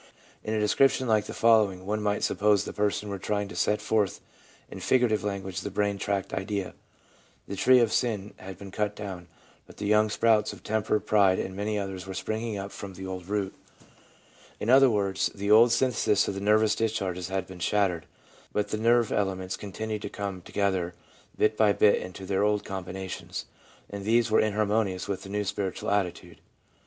In a description like the following one might suppose the person were trying to set forth in figurative language the brain tract idea :' The tree of sin had been cut down, but the young sprouts of temper, pride, and many others were springing up from the old root/ In other words, the old synthesis of nervous discharges had been shattered, but the nerve elements continued to come together bit by bit into their old combinations, and these were inharmonious with the new spiritual attitude.